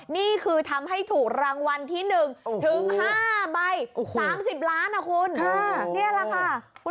นี่คือทำให้ถูกรางวัลที่หนึ่งถึง๕ใบ๓๐ล้านนะคุณ